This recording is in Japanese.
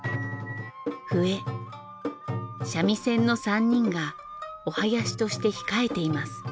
三味線の３人がお囃子として控えています。